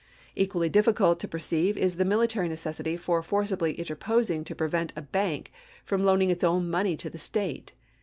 Equally difficult to perceive is the military necessity for forcibly interposing to prevent a bank from loaning its own money to the State.